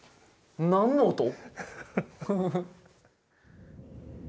何の音？